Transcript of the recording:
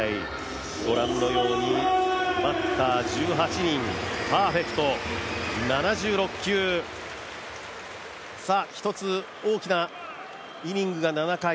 ご覧のようにバッター１８人、パーフェクト７６球一つ大きなイニングが７回。